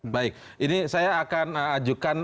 baik ini saya akan ajukan